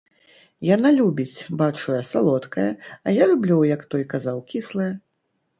Яна любіць, бачу я, салодкае, а я люблю, як той казаў, кіслае.